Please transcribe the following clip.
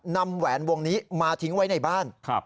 แหวนวงนี้มาทิ้งไว้ในบ้าน